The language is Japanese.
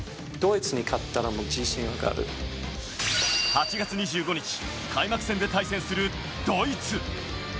８月２５日、開幕戦で対戦するドイツ。